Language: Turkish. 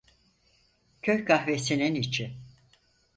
Köy kahvesinin içi…